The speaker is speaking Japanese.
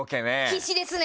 必死ですね。